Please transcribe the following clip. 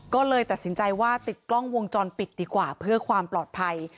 ก็เลยตัดสินใจว่าติดกล้องวงจรปิดดีกว่าเพื่อความปลอดภัย